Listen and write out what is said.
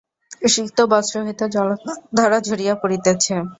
সিক্ত বস্ত্র হইতে জলধারা ঝরিয়া পড়িতেছে।